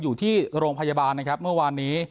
อยู่ที่โรงพยาบาลนะครับเมื่อวานนี้